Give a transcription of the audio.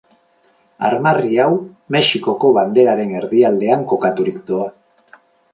Armarri hau Mexikoko banderaren erdialdean kokaturik doa.